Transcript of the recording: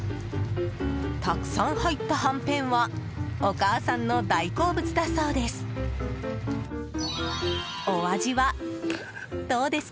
たくさん入ったはんぺんはお母さんの大好物だそうです。